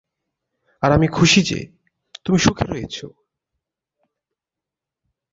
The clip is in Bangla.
আর আমি খুশি যে, তুমি সুখে রয়েছো।